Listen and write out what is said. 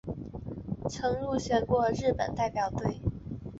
曾入选过的日本代表队。